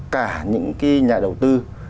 cả những cái nhà đầu tư